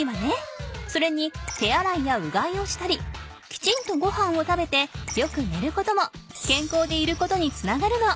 それにてあらいやうがいをしたりきちんとごはんを食べてよくねることもけんこうでいることにつながるの。